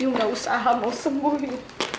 you gak usaha mau sembuh you